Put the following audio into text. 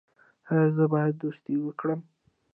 ایا زه باید دوستي وکړم؟